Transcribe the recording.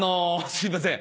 すいません。